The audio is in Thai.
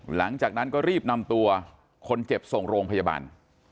หลังจากนั้นก็รีบนำตัวคนเจ็บส่งโรงพยาบาล